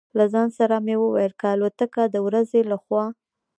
له ځان سره مې وویل: که الوتکه د ورځې له خوا.